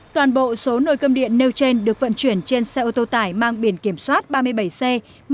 toàn bộ số nồi cơm điện nêu trên được vận chuyển trên xe ô tô tải mang biển kiểm soát ba mươi bảy xe một mươi hai nghìn chín trăm một mươi chín